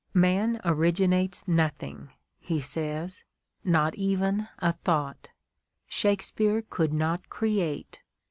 "Man originates nothing," he says, "not even a thought. ... Shakespeare could not create.